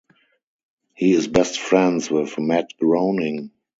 He is best friends with Matt Groening.